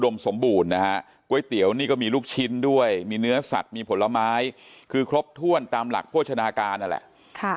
มีผลไม้คือครบถ้วนตามหลักโภชนาการนั่นแหละ